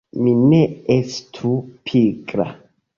Mi ne estu pigra!